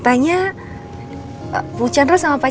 soalnya stok aslinya keisha udah habis